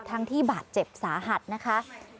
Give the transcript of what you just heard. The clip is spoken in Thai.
ที่บาดเจ็บสาหัสนะคะ